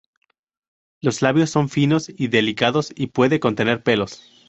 Los labios son finos y delicados y puede contener pelos.